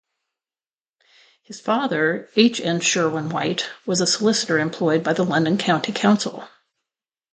His father, H. N. Sherwin-White, was a solicitor employed by the London County Council.